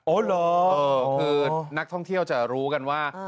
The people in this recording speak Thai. เหรอคือนักท่องเที่ยวจะรู้กันว่า